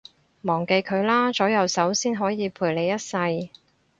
忘記佢啦，左右手先可以陪你一世